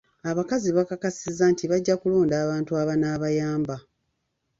Abakazi baakakasizza nti bajja kulonda abantu abanaabayamba.